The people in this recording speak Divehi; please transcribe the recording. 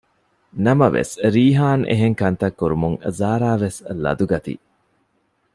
ނަމަވެސް ރީހާން އެހެންކަންތައް ކުރުމުން ޒާރާވެސް ލަދުަގަތީ